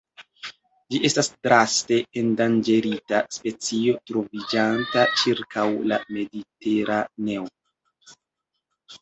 Ĝi estas draste endanĝerita specio troviĝanta ĉirkaŭ la Mediteraneo.